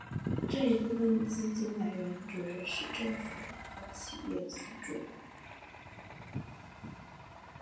这一部分的资金来源主要是政府和企业资助。